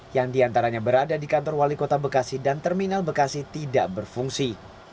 yang diantaranya berada di kantor wali kota bekasi dan terminal bekasi tidak berfungsi